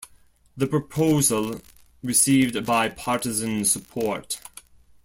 The proposal received bipartisan support.